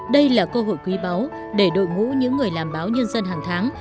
đây là cơ hội quý báu để đội ngũ những người làm báo nhân dân hàng tháng